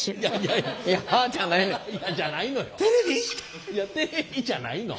いや「テレビ！？」じゃないの。